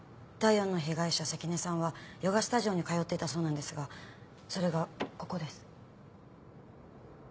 第４の被害者関根さんはヨガスタジオに通ってたそうなんですがそれがここです。